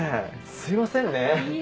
すいませんね